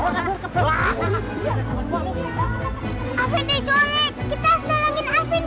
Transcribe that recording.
siapin diculik terlalu dibawa ke arah mana penculian